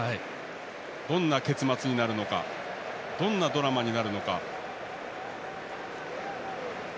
どんな結末になるのかどんなドラマになるのか。